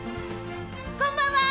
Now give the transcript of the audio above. こんばんは！